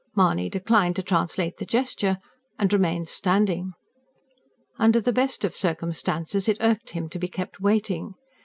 Mahony declined to translate the gesture and remained standing. Under the best of circumstances it irked him to be kept waiting.